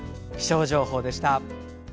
気象情報でした。